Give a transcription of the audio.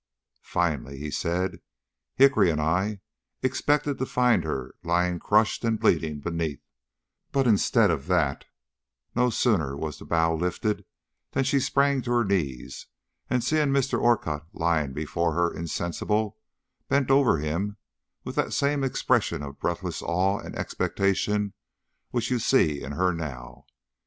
Finally he said: "Hickory and I expected to find her lying crushed and bleeding beneath, but instead of that, no sooner was the bough lifted than she sprang to her knees, and seeing Mr. Orcutt lying before her insensible, bent over him with that same expression of breathless awe and expectation which you see in her now.